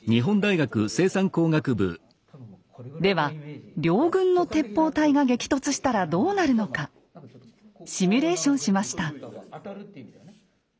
では両軍の鉄砲隊が激突したらどうなるのかシミュレーションしました。